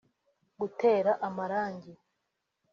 gutera amarangi